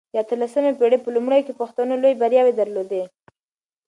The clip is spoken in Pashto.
د اته لسمې پېړۍ په لومړيو کې پښتنو لويې برياوې درلودې.